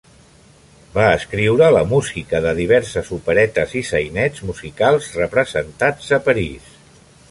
Va escriure la música de diverses operetes i sainets musicals representats a París.